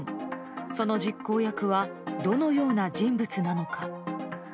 その実行役はどのような人物なのか。